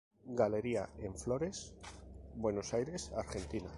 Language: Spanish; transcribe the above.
Galería En Flores, Buenos Aires Argentina.